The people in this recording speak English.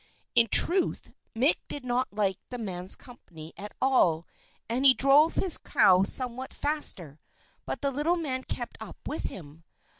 In truth Mick did not like the little man's company at all, and he drove his cow somewhat faster; but the little man kept up with him.